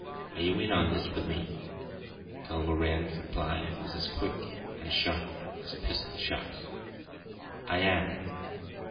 Are you in on this with me?" Culver Rann's reply was as quick and sharp as a pistol shot. "I am."